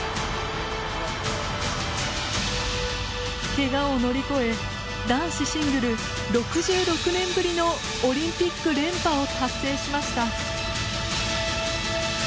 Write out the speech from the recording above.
けがを乗り越え男子シングル６６年ぶりのオリンピック連覇を達成しました。